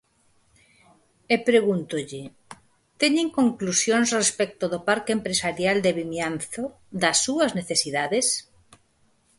E pregúntolle: ¿teñen conclusións respecto do parque empresarial de Vimianzo, das súas necesidades?